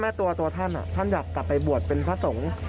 ตัวท่านท่านอยากกลับไปบวชเป็นพระสงฆ์